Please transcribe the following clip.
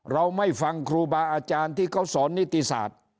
เราไม่ฟังครูบาอาจารย์ที่เขาสอนนิติศาสตร์